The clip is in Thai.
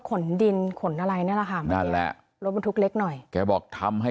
ขนดินขนอะไรนั่นแหละค่ะนั่นแหละรถบรรทุกเล็กหน่อยแกบอกทำให้